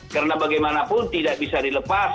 karena bagaimanapun tidak bisa dilepas